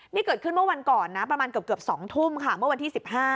นี่เกิดขึ้นเมื่อวันก่อนนะประมาณเกือบ๒ทุ่มค่ะเมื่อวันที่๑๕